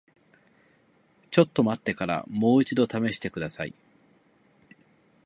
ちょっと待ってからもう一度試してください。